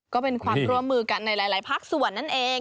ก็เป็นความร่วมมือกันในหลายภาคส่วนนั่นเอง